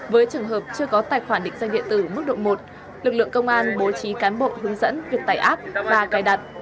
với trường hợp chưa có tài khoản định danh điện tử mức độ một lực lượng công an bố trí cán bộ hướng dẫn việc tải app và cài đặt